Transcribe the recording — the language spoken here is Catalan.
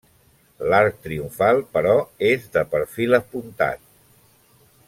L'arc triomfal, però, és de perfil apuntat.